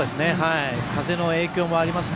風の影響もありますし